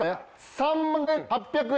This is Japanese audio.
３万６８００円。